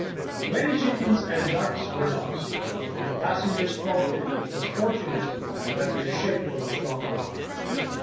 Many chickens and ducks were lost, and the passengers felt it was fortunate that their ship was a strong one.